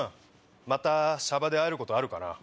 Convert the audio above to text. またシャバで会えることあるかな。